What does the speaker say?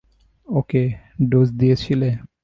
ওকে dose দিয়েছিলে?